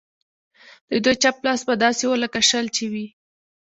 د دوی چپ لاس به داسې و لکه شل چې وي.